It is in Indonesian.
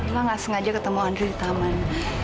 lila nggak sengaja ketemu andri di taman